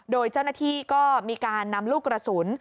โดยเจ้าหน้าที่ก็มีการนำลูกกระสุน